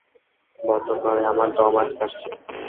বদ্ধ ঘরে আমার দম আটকে আসছে।